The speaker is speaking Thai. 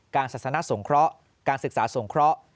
ศาสนาสงเคราะห์การศึกษาสงเคราะห์